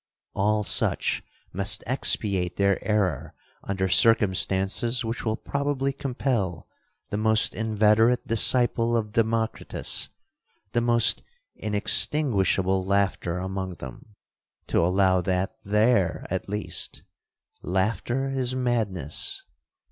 All such must expiate their error under circumstances which will probably compel the most inveterate disciple of Democritus, the most inextinguishable laugher among them, to allow that there, at least, 'laughter is madness.'